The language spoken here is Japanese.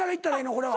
これは。